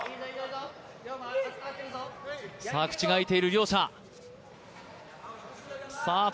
口が開いている両者。